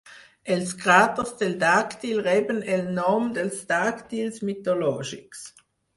Els cràters de Dàctil reben el nom dels Dàctils mitològics.